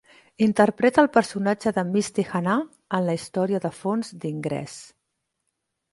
Interpreta al personatge de Misty Hannah en la història de fons "d'Ingress".